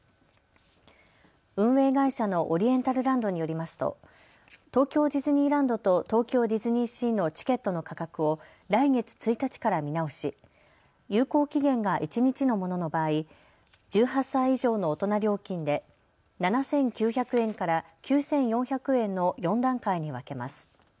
運営会社のオリエンタルランドによりますと東京ディズニーランドと東京ディズニーシーのチケットの価格を来月１日から見直し有効期限が一日のものの場合、１８歳以上の大人料金で７９００円から９４００円の４段階に分けます。